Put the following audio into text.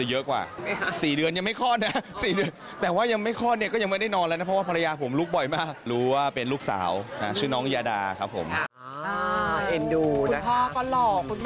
ถ้าใครคิดถึงผลงานละครรับรองนะจ๊ะได้ดูแน่นอน